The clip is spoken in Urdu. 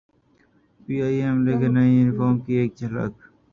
پی ائی اے عملے کے نئے یونیفارم کی ایک جھلک